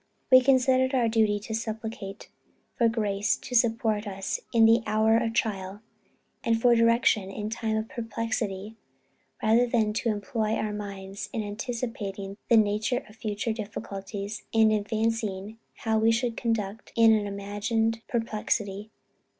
We considered it our duty to supplicate for grace to support us in the hour of trial, and for direction in time of perplexity, rather than to employ our minds in anticipating the nature of future difficulties, and in fancying how we should conduct in an imagined perplexity.